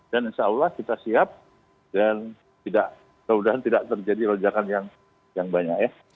dan insya allah kita siap dan kemudian tidak terjadi lonjakan yang banyak